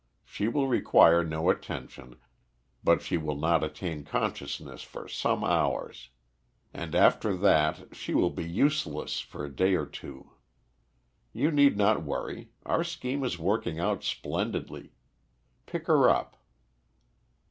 She will require no attention, but she will not attain consciousness for some hours. And, after that, she will be useless for a day or two. You need not worry; our scheme is working out splendidly. Pick her up."